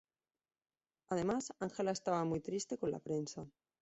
Además Angela estaba muy triste con la prensa.